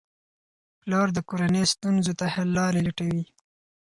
پلار د کورنۍ ستونزو ته حل لارې لټوي.